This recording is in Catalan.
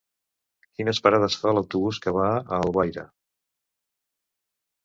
Quines parades fa l'autobús que va a Alguaire?